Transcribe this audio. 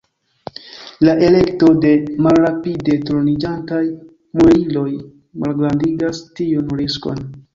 La elekto de malrapide turniĝantaj mueliloj malgrandigas tiun riskon.